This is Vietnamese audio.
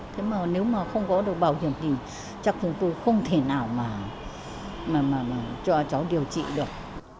thế mà nếu mà không có được bảo hiểm thì chắc chúng tôi không thể nào mà cho cháu điều trị được